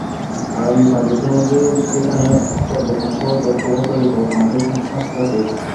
আগামী পাঁচ বছরের মধ্যে সেখানে পর্যটন শহর গড়ে তোলার পরিকল্পনা আছে সংস্থাটির।